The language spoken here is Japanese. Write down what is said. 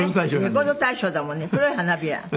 レコード大賞だもんね『黒い花びら』。